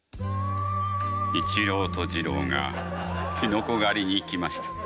「一郎と次郎がキノコ狩りに行きました。